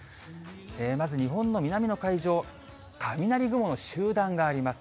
まず日本の南の海上、雷雲の集団があります。